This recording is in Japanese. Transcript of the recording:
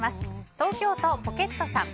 東京都の方。